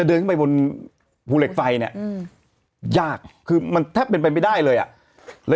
เดินขึ้นไปบนภูเหล็กไฟเนี่ยอืมยากคือมันแทบเป็นไปไม่ได้เลยอ่ะแล้ว